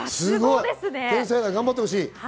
頑張ってほしい！